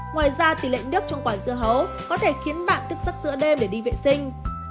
ngoài ra tỷ lệ nước trong quả dưa hấu có thể khiến bạn thức giấc giữa đêm để đi vệ sinh